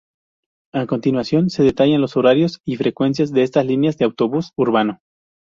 A continuación se detallan los horarios y frecuencias de estas líneas de autobús urbano.